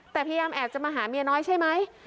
แต่พยายามแอบจะมาหาเมียน้อยใช่ไหม